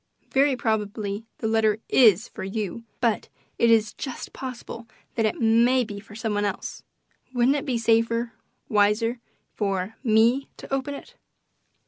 "Very probably the letter IS for you, but it is just possible that it may be for some one else. Wouldn't it be safer wiser for ME to open it?"